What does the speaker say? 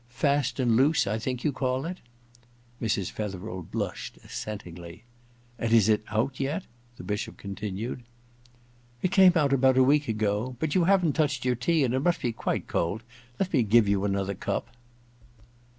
" Fast and Loose," I think you call it ?' 92 EXPIATION II Mrs. Fetherel blushed assentingly. * And is it out yet ?' the Bishop continued. *It came out about a week ago. But you haven't touched your tea and it must be quite cold. Let me give you another cup.